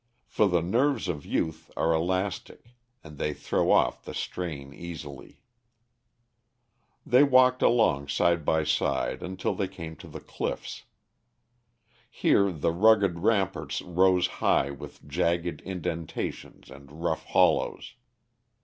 For the nerves of youth are elastic and they throw off the strain easily. They walked along side by side until they came to the cliffs. Here the rugged ramparts rose high with jagged indentations and rough hollows.